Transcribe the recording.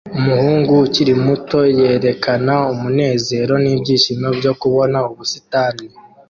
Umuhungu ukiri muto yerekana umunezero n'ibyishimo byo kubona ubusitani